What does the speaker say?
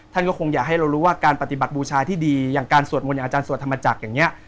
ท่านก็คงอยากให้เรารู้ว่าการปฏิบัติบูชาที่ดีอย่างการสวดมนต์อย่างอาจารย์สวดธรรมจักรอย่างนี้